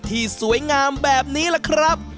ที่สวยงามแบบนี้ล่ะครับ